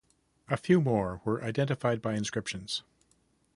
A few more were identified by inscriptions.